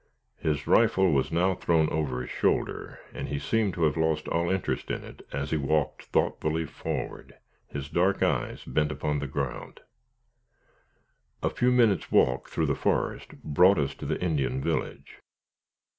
His rifle was now thrown over his shoulder, and he seemed to have lost all interest in it as he walked thoughtfully forward, his dark eyes bent upon the ground. A few minutes' walk through the forest brought us to the Indian village.